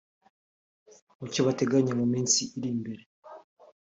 Mu cyo bateganya mu minsi iri imbere